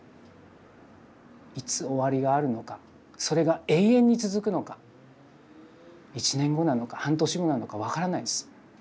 いつ終わりがあるのかそれが永遠に続くのか１年後なのか半年後なのか分からないです。